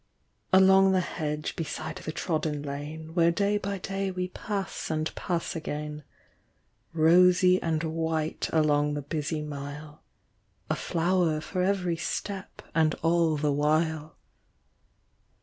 Along the hedge beside the trodden lane Where day by day we pass and pass again : Rosy and white along the busy mile, A flower for every step and all the while.